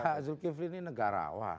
pak zulkifli ini negarawan